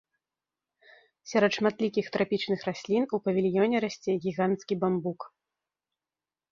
Сярод шматлікіх трапічных раслін, у павільёне расце гіганцкі бамбук.